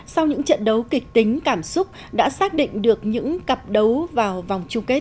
sau những trận đấu kịch tính cảm xúc đã xác định được những cặp đấu vào vòng chung kết